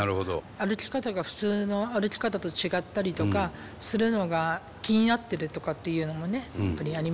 歩き方が普通の歩き方と違ったりとかするのが気になってるとかっていうのもねやっぱりありまして。